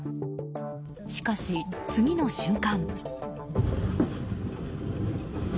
しかし、次の瞬間。